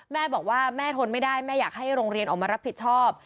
แม่บอกว่าแม่ทนไม่ได้แม่อยากให้โรงเรียนออกมารับผิดชอบ